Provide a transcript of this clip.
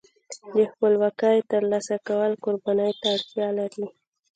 د خپلواکۍ ترلاسه کول قربانۍ ته اړتیا لري.